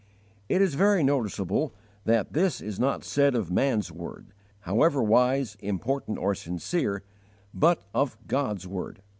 It is very noticeable that this is not said of man's word, however wise, important, or sincere, but of God's word.